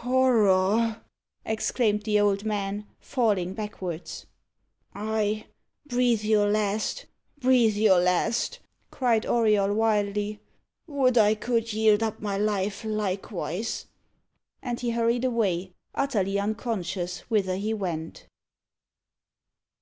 "Horror!" exclaimed the old man, falling backwards. "Ay, breathe your last breathe your last!" cried Auriol wildly. "Would I could yield up my life, likewise!" And he hurried away, utterly unconscious whither he went.